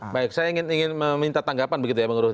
baik saya ingin minta tanggapan begitu ya pak ngurut